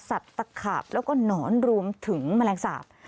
ตะขาบแล้วก็หนอนรวมถึงแมลงสาป